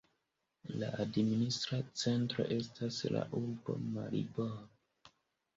La administra centro estas la urbo Maribor.